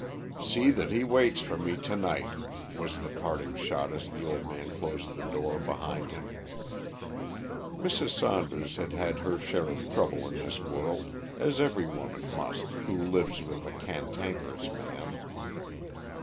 "See that he waits for me to night," was the parting shot as the old man closed the door behind him. Mrs. Saunders had had her share of trouble in this world, as every woman must who lives with a cantankerous man.